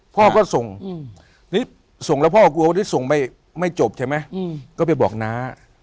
พ่อก็ส่งนี่ส่งแล้วพ่อกลัววันนี้ส่งไม่จบใช่ไหมก็ไปบอกน้า